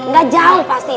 gak jauh pasti